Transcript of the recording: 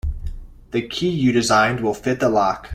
The key you designed will fit the lock.